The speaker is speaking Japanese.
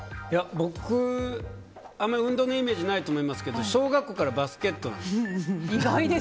僕、あまり運動のイメージないと思いますけど小学校からバスケットなんです。